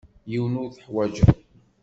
Yiwen ur t-ḥwajeɣ.